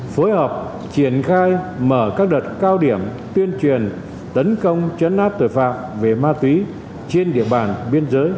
phối hợp triển khai mở các đợt cao điểm tuyên truyền tấn công chấn áp tội phạm về ma túy trên địa bàn biên giới